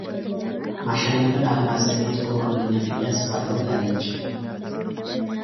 ማሸነፍን አለማሰቤ ጥሩ ሆኖልኛል ብዬ አስባለሁ ብላለች።